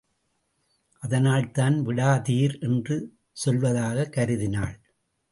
அதனால்தான் விடாதீர் என்று சொல்வதாகக் கருதினாள்.